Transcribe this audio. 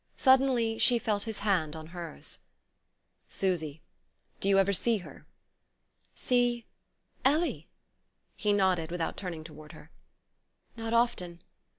Suddenly she felt his hand on hers. "Susy do you ever see her?" "See Ellie?" He nodded, without turning toward her. "Not often...